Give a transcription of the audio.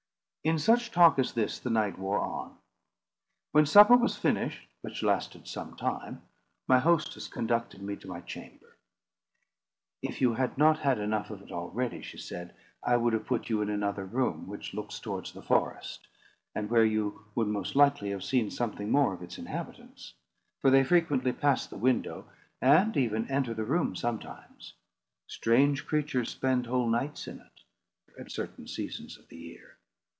In such talk as this the night wore on. When supper was finished, which lasted some time, my hostess conducted me to my chamber. "If you had not had enough of it already," she said, "I would have put you in another room, which looks towards the forest; and where you would most likely have seen something more of its inhabitants. For they frequently pass the window, and even enter the room sometimes. Strange creatures spend whole nights in it, at certain seasons of the year.